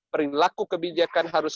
perilaku kebijakan harus